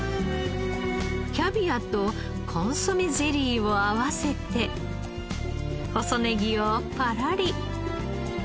キャビアとコンソメゼリーを合わせて細ねぎをパラリ。